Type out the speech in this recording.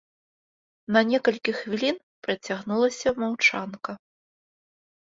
На некалькі хвілін працягнулася маўчанка.